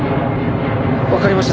わかりました。